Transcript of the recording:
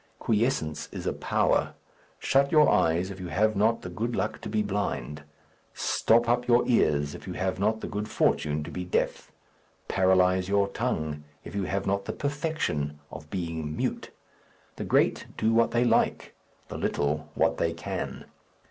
Quiescence is a power. Shut your eyes, if you have not the luck to be blind; stop up your ears, if you have not the good fortune to be deaf; paralyze your tongue, if you have not the perfection of being mute. The great do what they like, the little what they can.